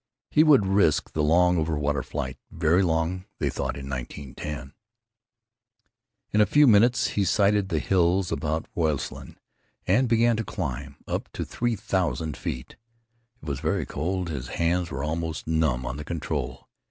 He would risk the long over water flight—very long they thought it in 1910. In a few minutes he sighted the hills about Roslyn and began to climb, up to three thousand feet. It was very cold. His hands were almost numb on the control.